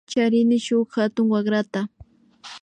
Charini shuk hatun warata